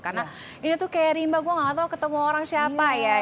karena ini tuh kayak rimba gue gak tau ketemu orang siapa ya